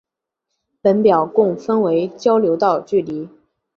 本表共分为交流道距离。